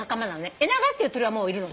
エナガっていう鳥はもういるの。